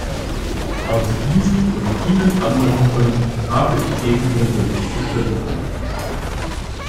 Aus diesen und vielen anderen Gründen habe ich gegen den Bericht gestimmt.